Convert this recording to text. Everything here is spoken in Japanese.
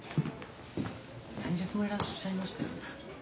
先日もいらっしゃいましたよね？